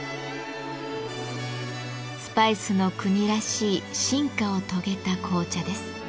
スパイスの国らしい進化を遂げた紅茶です。